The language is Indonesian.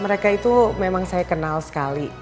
mereka itu memang saya kenal sekali